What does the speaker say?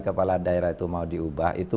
kepala daerah itu mau diubah itu